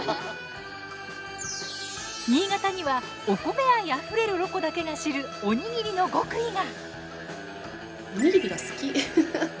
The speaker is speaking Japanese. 新潟にはお米愛あふれるロコだけが知るおにぎりの極意が！